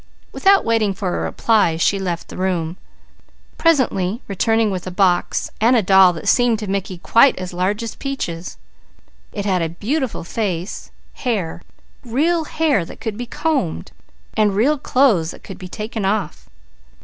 Without waiting for a reply she left the room, presently returning with a box and a doll that seemed to Mickey quite as large as Peaches. It had a beautiful face, hair, real hair that could be combed, and real clothes that could be taken off.